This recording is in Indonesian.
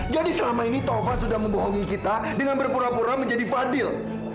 jadi selama ini tovan sudah membohongi kita dengan berpura pura menjadi fadil